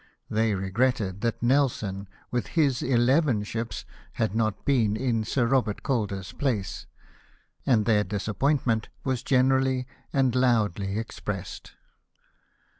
They regretted that Nelson, with his eleven ships, had not been in Sir Robert Calder's place ; and their disappointment was generally and loudly expressed.